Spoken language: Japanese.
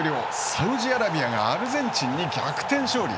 サウジアラビアがアルゼンチンに逆転勝利。